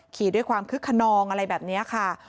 ขี่ด้วยความคึกขนองอะไรแบบนี้ค่ะ